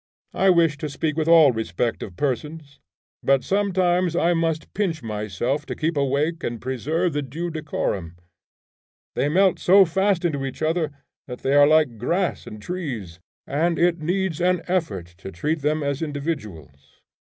I wish to speak with all respect of persons, but sometimes I must pinch myself to keep awake and preserve the due decorum. They melt so fast into each other that they are like grass and trees, and it needs an effort to treat them as individuals.